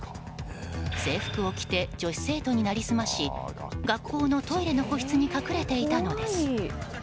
制服を着て女子生徒に成り済まし学校のトイレの個室に隠れていたのです。